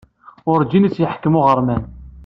Werǧin i tt-yeḥkem uɣerman.